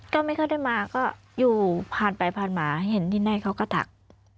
ก็ไม่ค่อยได้มาก็อยู่ผ่านไปผ่านมาเห็นที่ไหนเขาก็ทัก